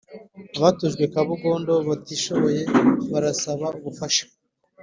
abatujwe kabugondo batishoboye barasaba ubufasha